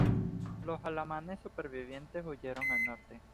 Los alamanes supervivientes huyeron al norte.